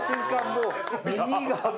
もう耳が。